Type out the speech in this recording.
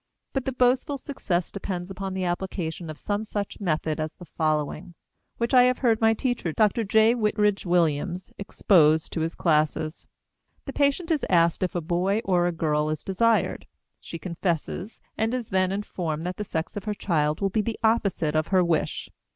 But the boastful success depends upon the application of some such method as the following, which I have heard my teacher, Dr. J. Whitridge Williams, expose to his classes. The patient is asked if a boy or girl is desired. She confesses, and is then informed that the sex of her child will be the opposite of her wish.